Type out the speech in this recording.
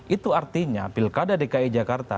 itu artinya pilkada dki jakarta